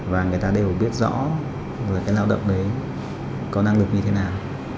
và người ta đều biết rõ là cái lao động đấy có năng lực như thế nào